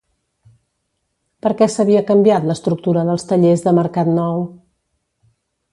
Per què s'havia canviat l'estructura dels tallers de Mercat Nou?